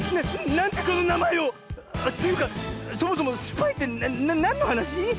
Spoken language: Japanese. なんでそのなまえを⁉というかそもそもスパイってなんのはなし？